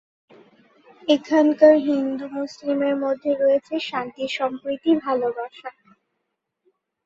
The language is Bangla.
এখানকার হিন্দু-মুসলিমের মধ্যে রয়েছে শান্তি-সম্প্রতি-ভালোবাসা।